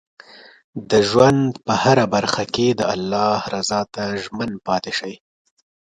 د ژوند په هره برخه کې د الله رضا ته ژمن پاتې شئ.